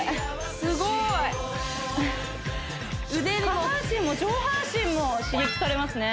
すごい下半身も上半身も刺激されますね